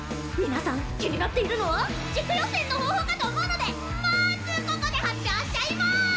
皆さん気になっているのは地区予選の方法かと思うのでまずここで発表しちゃいます！